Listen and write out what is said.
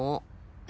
え？